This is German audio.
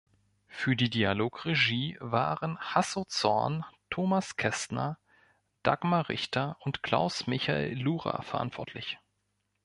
Für die Dialogregie waren Hasso Zorn, Thomas Kästner, Dagmar Richter und Klaus-Michael Lura verantwortlich.